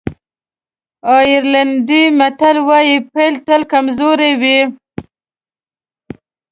آیرلېنډی متل وایي پيل تل کمزوری وي.